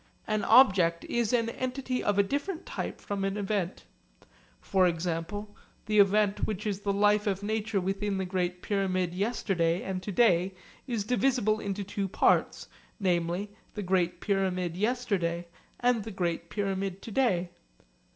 An object is an entity of a different type from an event. For example, the event which is the life of nature within the Great Pyramid yesterday and to day is divisible into two parts, namely the Great Pyramid yesterday and the Great Pyramid to day.